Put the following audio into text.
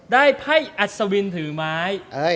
ได้พัฒน์อสจะวินถือหมาย